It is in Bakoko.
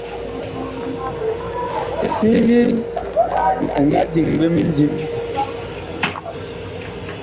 Siŋgi ɛ nga diŋ ɓe mindim.